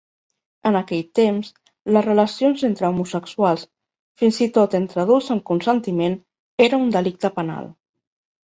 En aquell temps, les relacions entre homosexuals, fins i tot entre adults amb consentiment, era un delicte penal.